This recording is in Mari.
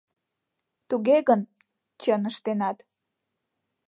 — Туге гын, чын ыштенат.